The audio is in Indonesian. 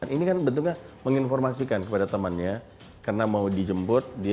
ini kan bentuknya menginformasikan kepada temannya karena mau dijemput